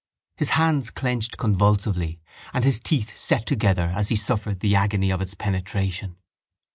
His hands clenched convulsively and his teeth set together as he suffered the agony of its penetration.